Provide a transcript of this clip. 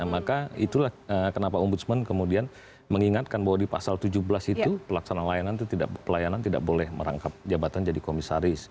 maka itulah kenapa ombudsman kemudian mengingatkan bahwa di pasal tujuh belas itu pelaksanaan itu pelayanan tidak boleh merangkap jabatan jadi komisaris